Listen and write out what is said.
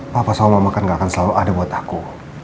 papa selalu mau makan nggak akan selalu ada buat aku